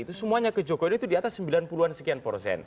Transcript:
itu semuanya ke jokowi itu di atas sembilan puluh an sekian persen